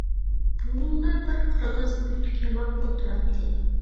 بۇلۇڭدا بىر قىرغىز ئۆتۈك ياماپ ئولتۇراتتى.